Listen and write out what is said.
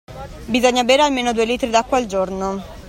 Bisogna bere almeno due litri d'acqua al giorno.